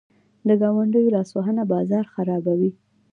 د ګاونډیو لاسوهنه بازار خرابوي.